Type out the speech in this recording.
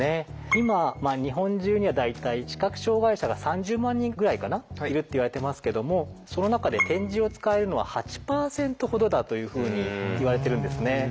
今日本中には大体視覚障害者が３０万人ぐらいかないるっていわれてますけどもその中で点字を使えるのは８％ほどだというふうにいわれてるんですね。